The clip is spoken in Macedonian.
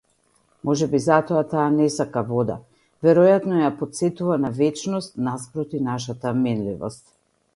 Можеби затоа таа не сака вода, веројатно ја потсетува на вечност наспроти нашата минливост.